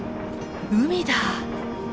海だ。